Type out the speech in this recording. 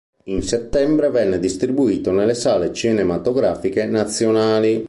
In settembre venne distribuito nelle sale cinematografiche nazionali.